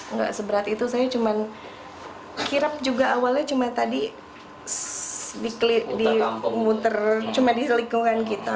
nggak seberat itu saya cuma kirap juga awalnya cuma tadi di muter cuma di selingkuhan kita